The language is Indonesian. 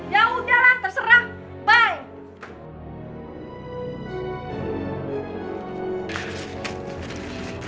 ya udahlah terserah bye